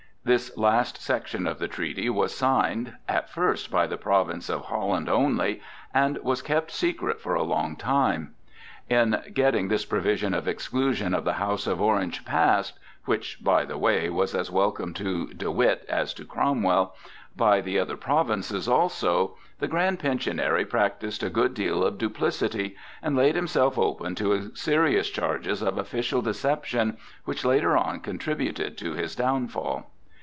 This last section of the treaty was signed, at first by the province of Holland only, and was kept secret for a long time. In getting this provision of exclusion of the house of Orange passed (which, by the way, was as welcome to De Witt as to Cromwell) by the other provinces also, the Grand Pensionary practised a good deal of duplicity, and laid himself open to serious charges of official deception which later on contributed to his downfall.